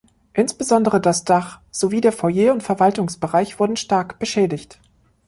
Insbesondere das Dach sowie der Foyer- und Verwaltungsbereich wurden stark beschädigt.